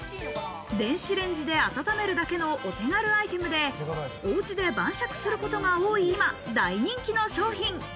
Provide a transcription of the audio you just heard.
電子レンジで温めるだけのお手軽アイテムで、おうちで晩酌する事が多い今、大人気の商品。